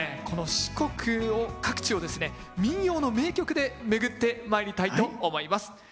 この四国各地をですね民謡の名曲で巡ってまいりたいと思います。